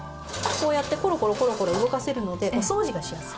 こうやってコロコロコロコロ動かせるのでお掃除がしやすい。